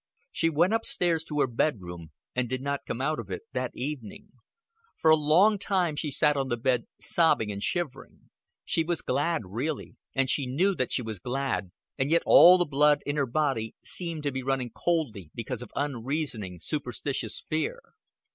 She went up stairs to her bedroom, and did not come out of it that evening. For a long time she sat on the bed sobbing and shivering. She was glad really, and she knew that she was glad, and yet all the blood in her body seemed to be running coldly because of unreasoning superstitious fear.